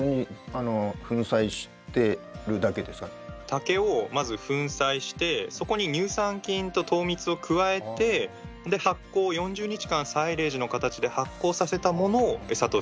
竹をまず粉砕してそこに乳酸菌と糖蜜を加えてで発酵４０日間サイレージの形で発酵させたものをエサとして。